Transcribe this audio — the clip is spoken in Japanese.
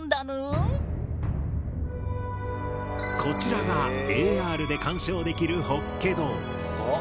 こちらがＡＲで観賞できる法華堂。